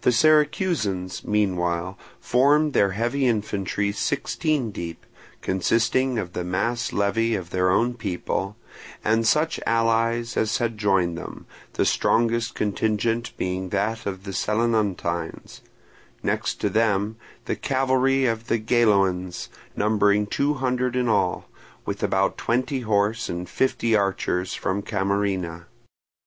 The Syracusans, meanwhile, formed their heavy infantry sixteen deep, consisting of the mass levy of their own people, and such allies as had joined them, the strongest contingent being that of the Selinuntines; next to them the cavalry of the Geloans, numbering two hundred in all, with about twenty horse and fifty archers from Camarina.